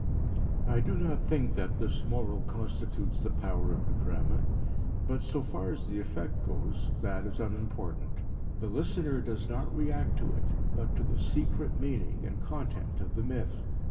I do not think that this moral constitutes the power of the drama, but so far as the effect goes, that is unimportant; the listener does not react to it, but to the secret meaning and content of the myth.